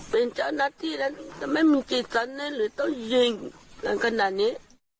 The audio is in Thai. เป็นเจ้าหน้าที่แล้วจะไม่มีกิจสันเลยหรือต้องยิงกันขนาดนี้